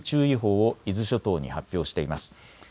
気象庁は津波注意報を伊豆諸島に発表しています。